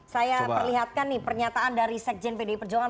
saya perlihatkan nih pernyataan dari sekjen pdi perjuangan